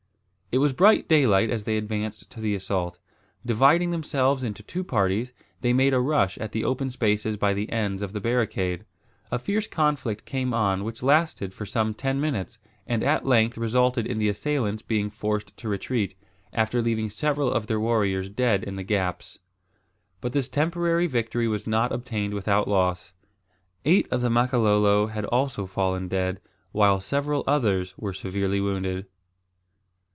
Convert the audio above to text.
It was bright daylight as they advanced to the assault. Dividing themselves into two parties, they made a rush at the open spaces by the ends of the barricade. A fierce conflict came on which lasted for some ten minutes, and at length resulted in the assailants being forced to retreat, after leaving several of their warriors dead in the gaps. But this temporary victory was not obtained without loss. Eight of the Makololo had also fallen dead, while several others were severely wounded.